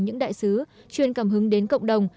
những đại sứ chuyên cảm hứng đến cộng đồng